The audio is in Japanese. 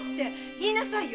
言いなさいよ